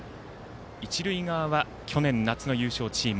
一塁側は去年夏の優勝チーム